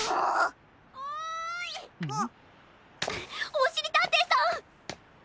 おしりたんていさん。